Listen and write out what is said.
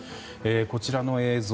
こちらの映像